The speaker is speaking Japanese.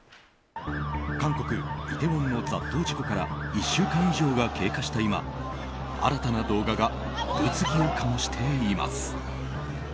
韓国イテウォンの雑踏事故から１週間以上が経過した今新たな動画が物議を醸しています。